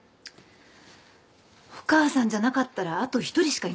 お母さんじゃなかったらあと１人しかいないじゃない。